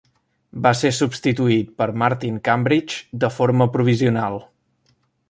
Va ser substituït per Martin Cambridge de forma provisional.